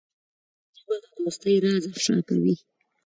ژبه د دوستۍ راز افشا کوي